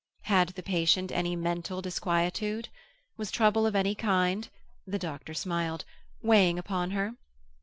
Had the patient any mental disquietude? Was trouble of any kind (the doctor smiled) weighing upon her?